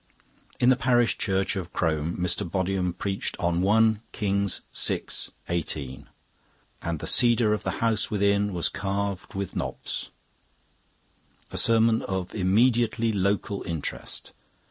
In the parish church of Crome Mr. Bodiham preached on 1 Kings vi. 18: "And the cedar of the house within was carved with knops" a sermon of immediately local interest.